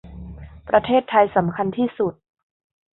ประเทศไทยสำคัญที่สุด